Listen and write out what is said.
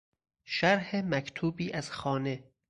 شرح مکتوبی از خانه